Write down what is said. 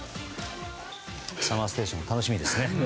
「ＳＵＭＭＥＲＳＴＡＴＩＯＮ」楽しみですね。